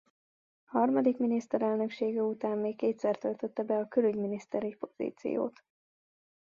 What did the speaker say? Harmadik miniszterelnöksége után még kétszer töltötte be a külügyminiszteri pozíciót.